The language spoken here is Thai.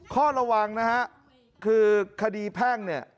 ข้อระวังนะฮะคือคดีแพ่งเนี่ย